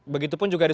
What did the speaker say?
begitu pun juga di